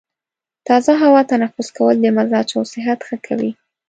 تازه هوا تنفس کول د مزاج او صحت ښه کوي.